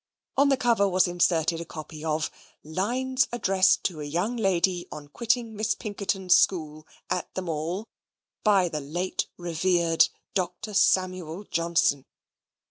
On the cover was inserted a copy of "Lines addressed to a young lady on quitting Miss Pinkerton's school, at the Mall; by the late revered Doctor Samuel Johnson."